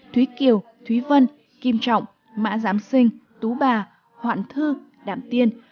thúy kiều thúy vân kim trọng mã giám sinh tú bà hoạn thư đạm tiên